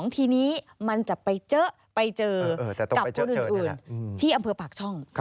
ทีนี้มันจะไปเจอไปเจอกับคนอื่นที่อำเภอปากช่อง